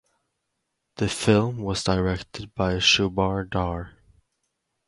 The film was directed by Sundar Dhar.